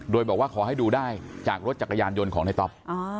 โดยบอกว่าขอให้ดูได้จากรถจักรยานยนต์ของในต๊อป